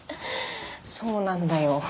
そうなんだよ。